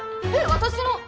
私の！